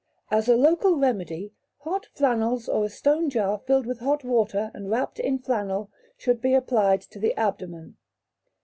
As a local remedy hot flannels or a stone jar filled with hot water and wrapped in flannel, should be applied to the abdomen.